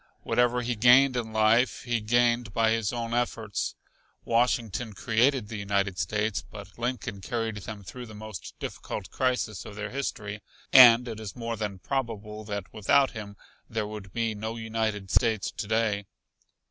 Whatever he gained in life, he gained by his own efforts. Washington created the United States, but Lincoln carried them through the most difficult crisis of their history and it is more than probable that without him there would be no United States to day.